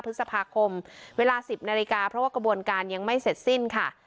พฤษภาคมเวลา๑๐นาฬิกาเพราะว่ากระบวนการยังไม่เสร็จสิ้นค่ะ